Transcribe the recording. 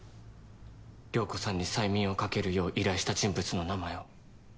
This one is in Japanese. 涼子さんに催眠をかけるよう依頼した人物の名前を。